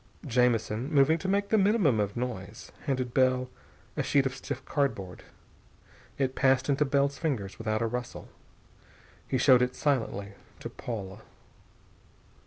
Jamison moving to make the minimum of noise handed Bell a sheet of stiff cardboard. It passed into Bell's fingers without a rustle. He showed it silently to Paula.